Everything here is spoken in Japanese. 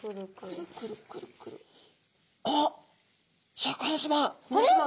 シャーク香音さま皆さま。